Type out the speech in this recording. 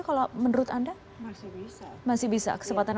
jika dilakukan pendekatan secara kultural